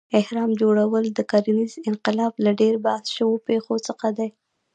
اهرام جوړول د کرنیز انقلاب له ډېر بحث شوو پېښو څخه دی.